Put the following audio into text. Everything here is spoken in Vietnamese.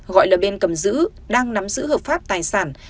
gọi là bên cầm dữ đang nắm giữ hợp pháp tài sản